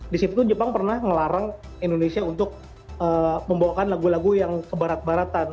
di situ tuh jepang pernah ngelarang indonesia untuk membawakan lagu lagu yang ke baratan